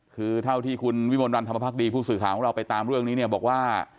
คือเท่าที่คุณวิมลวันธรรมภักดีผู้สื่อข่าวของเราไปตามเรื่องนี้เนี่ยบอกว่า